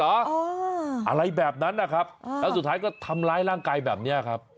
อะไรแบบนั้นนะครับแล้วสุดท้ายก็ทำร้ายร่างกายแบบนี้ครับ